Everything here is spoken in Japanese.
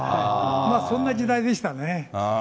そんな時代でしたね。